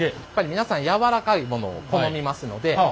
皆さん柔らかいものを好みますので。